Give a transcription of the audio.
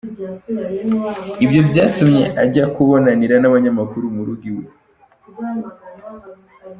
Ibyo byatumye ajya kubonanira n’abanyamakuru mu rugo iwe.